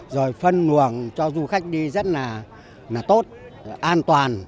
rồi phân luồng cho du khách đi rất là tốt an toàn